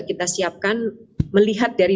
kita siapkan melihat dari